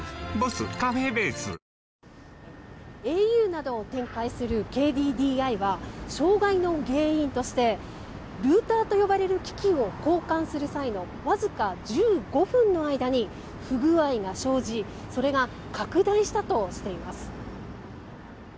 ａｕなどを展開するＫＤＤＩは障害の原因としてルーターと呼ばれる機器を交換する際のわずか１５分の間に不具合が生じそれが拡大したとしています。